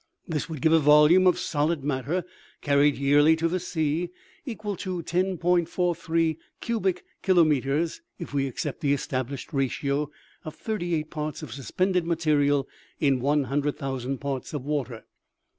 This would give a volume of solid matter carried yearly to the sea, equal to 10.43 cubic kilo meters, if we accept the established ratio of thirty eight parts of suspended material in 100,000 parts of water.